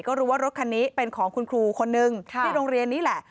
ก็รู้ว่ารถคันนี้เป็นของคุณครูคนนึงที่โรงเรียนนี้แหละ